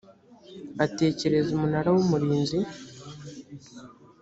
atekereza umunara w umurinzi